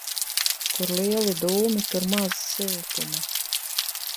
Kur lieli dūmi, tur maz siltuma.